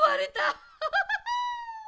アハハハ！